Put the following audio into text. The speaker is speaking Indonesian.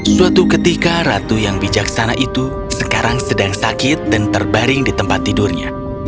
suatu ketika ratu yang bijaksana itu sekarang sedang sakit dan terbaring di tempat tidurnya